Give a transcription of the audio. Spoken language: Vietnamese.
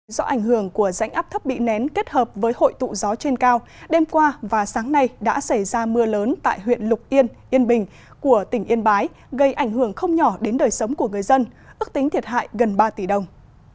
do ảnh hưởng của rãnh áp thấp bị nén kết hợp với hội tụ gió trên cao đêm qua và sáng nay đã xảy ra mưa lớn tại huyện lục yên yên bình của tỉnh yên bái gây ảnh hưởng không nhỏ đến đời sống của người dân ước tính thiệt hại gần ba tỷ đồng